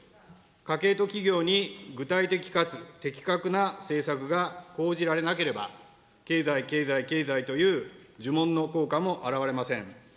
家計と企業に具体的かつ的確な政策が講じられなければ経済、経済、経済という呪文の効果も表れません。